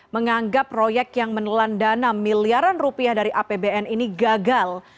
menganggap proyek yang menelan dana miliaran rupiah dari apbn ini gagal